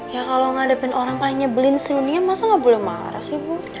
ya kalau ngadepin orang kayaknya belin suninya masa gak boleh marah sih bu